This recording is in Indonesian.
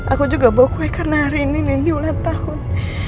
aku juga bawa kue karena hari ini ini ulang tahun